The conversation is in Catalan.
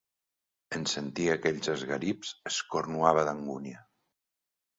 En sentir aquells esgarips es cornuava d'angúnia.